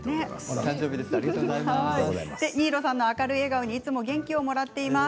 新納さんの明るい笑顔にいつも元気もらっています。